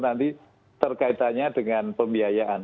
nanti terkaitannya dengan pembiayaan